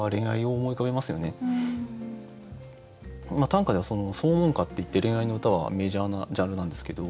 短歌では「相聞歌」っていって恋愛の歌はメジャーなジャンルなんですけど。